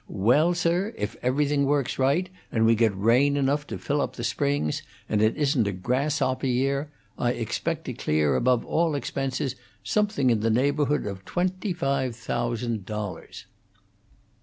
"Well, sir, if everything works right, and we get rain enough to fill up the springs, and it isn't a grasshopper year, I expect to clear above all expenses something in the neighborhood of twenty five thousand dollars."